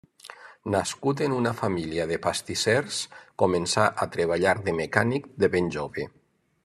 Nascut en una família de pastissers, començà a treballar de mecànic de ben jove.